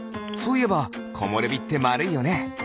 そういえばこもれびってまるいよね。